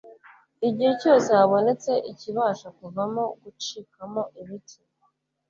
Igihe cyose habonetse ikibasha kuvamo gucikamo ibice,